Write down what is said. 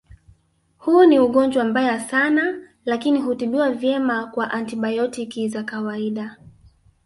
Huu ni ugonjwa mbaya sana lakini hutibiwa vyema kwa antibayotiki za kawaida